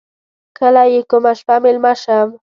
کله یې کومه شپه میلمه شم.